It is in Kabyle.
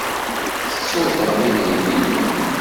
Tettuḍ daɣen idrimen-nnem.